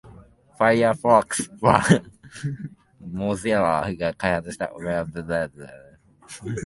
Firefox は Mozilla が開発したウェブブラウザーです。